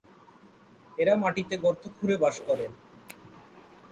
এরা মাটিতে গর্ত খুঁড়ে বাস করে।